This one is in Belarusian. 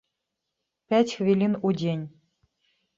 Пяць хвілін у дзень.